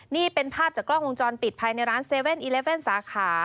นี่เป็นภาพจากกล้องวงจรปิดภายในร้าน๗๑๑สาขา